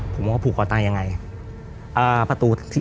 ผมว่าเขาผูกคอตายยังไง